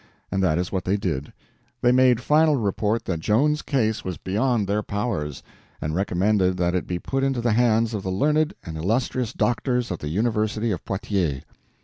And that is what they did. They made final report that Joan's case was beyond their powers, and recommended that it be put into the hands of the learned and illustrious doctors of the University of Poitiers.